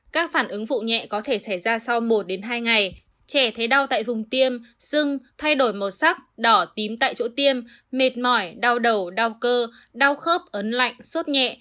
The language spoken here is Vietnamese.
các phản ứng vụ nhẹ có thể xảy ra sau một hai ngày trẻ thấy đau tại vùng tiêm sưng thay đổi màu sắc đỏ tím tại chỗ tiêm mệt mỏi đau đầu đau cơ đau khớp ấn lạnh sốt nhẹ